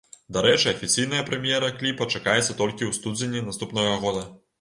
Дарэчы, афіцыйная прэм'ера кліпа чакаецца толькі ў студзені наступнага года.